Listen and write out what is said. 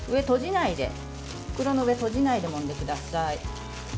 袋の上は閉じないでもんでください。